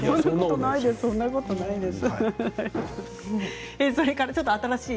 そんなことないですよ。